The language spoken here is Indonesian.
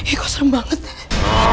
ih kok serem banget ya